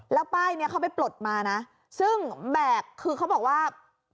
แล้วป้ายนี้เขาไปปลดมานะซึ่งแบบคือเขาบอกว่า